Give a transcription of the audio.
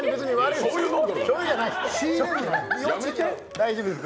大丈夫です。